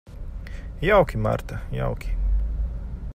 Jauki, Marta, jauki.